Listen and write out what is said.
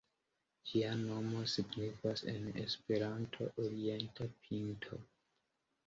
Ĝia nomo signifas en Esperanto Orienta Pinto.